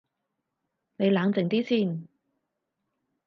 你冷靜啲先